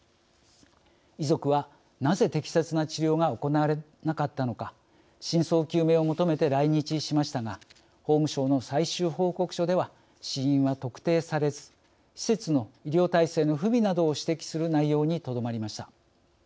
遺族はなぜ適切な治療が行われなかったのか真相究明を求めて来日しましたが法務省の最終報告書では死因は特定されず施設の医療体制の不備などを指摘する内容にとどまりました。